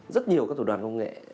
rất nhiều các tổ đoàn công nghệ